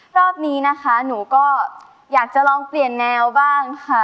รอบนี้นะคะหนูก็อยากจะลองเปลี่ยนแนวบ้างค่ะ